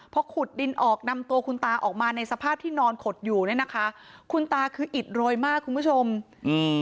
พอขุดดินออกนำตัวคุณตาออกมาในสภาพที่นอนขดอยู่เนี้ยนะคะคุณตาคืออิดโรยมากคุณผู้ชมอืม